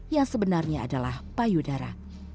yang sebenarnya adalah payudara